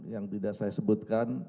yang tidak saya sebutkan